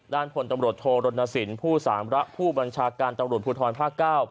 พลตำรวจโทรรณสินผู้สามระผู้บัญชาการตำรวจภูทรภาค๙